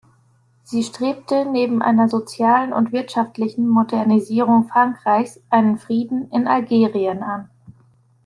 Sie strebte neben einer sozialen und wirtschaftlichen Modernisierung Frankreichs einen Frieden in Algerien an.